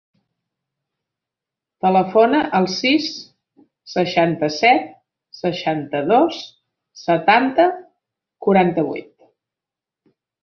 Telefona al sis, seixanta-set, seixanta-dos, setanta, quaranta-vuit.